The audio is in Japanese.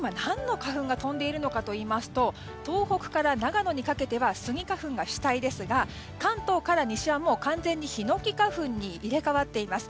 飛んでいるのかといいますと東北から長野にかけてはスギ花粉が主体ですが関東から西は完全にヒノキ花粉に入れ替わっています。